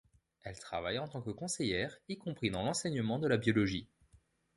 Elle travaille en tant que conseillère y compris dans l'enseignement de la biologie.